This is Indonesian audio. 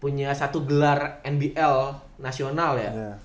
punya satu gelar nbl nasional ya